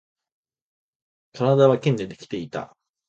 体は剣でできていた